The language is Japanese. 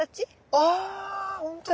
あほんとだ。